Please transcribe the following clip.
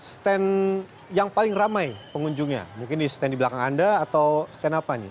stand yang paling ramai pengunjungnya mungkin di stand di belakang anda atau stand apa nih